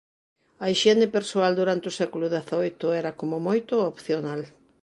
A hixiene persoal durante o século dezaoito era como moito opcional.